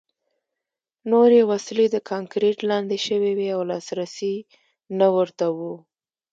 نورې وسلې د کانکریټ لاندې شوې وې او لاسرسی نه ورته و